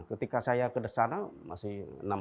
ketika saya ke sana masih enam puluh sembilan enam puluh delapan